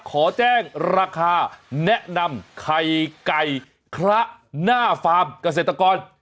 ขอแจ้งราคาแนะนำไข่ไก่คละหน้าฟาร์มเกษตรกร